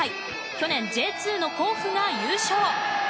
去年、Ｊ２の甲府が優勝。